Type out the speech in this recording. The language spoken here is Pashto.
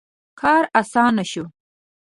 • کار آسانه شو.